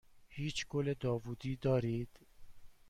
هیچ گل داوودی دارید؟